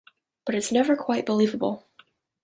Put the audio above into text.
But it's never quite believable.